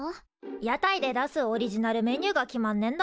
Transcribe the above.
屋台で出すオリジナルメニューが決まんねんだ。